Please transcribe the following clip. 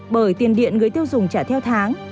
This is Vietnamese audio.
bởi tiền điện người tiêu dùng trả theo tháng